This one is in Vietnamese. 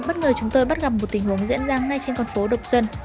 bất ngờ chúng tôi bắt gặp một tình huống diễn ra ngay trên con phố độc xuân